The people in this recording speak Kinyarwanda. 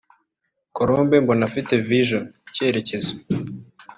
Colombe mbona afite vision(icyerekezo)